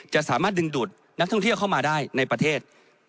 จะสามารถดึงดูดนักท่องเที่ยวเข้ามาได้ในประเทศ